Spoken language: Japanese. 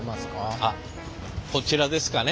こちらですかね。